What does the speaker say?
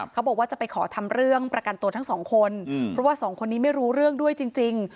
เขาบอกว่าจะไปขอทำเรื่องประกันตัวทั้งสองคนเพราะว่าสองคนนี้ไม่รู้เรื่องด้วยจริง